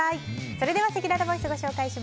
それではせきららボイスです。